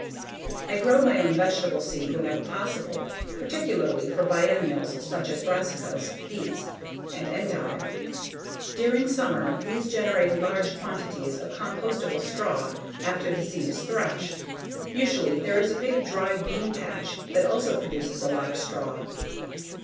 I grow my own vegetable seed whenever possible, particularly for biennials such as brassicas, beets and endive. During summer these generate large quantities of compostable straw after the seed is thrashed. Usually there is a big dry bean patch that also produces a lot of straw.